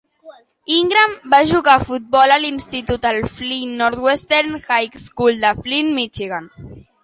Ingram va jugar a futbol a l'institut al Flint Northwestern High School de Flint, Michigan.